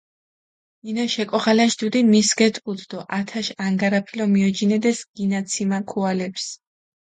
ნინაშ ეკოღალაშ დუდი მის გედგუდჷ დო ათაშ ანგარაფილო მიოჯინედეს გინაციმა ქუალეფს.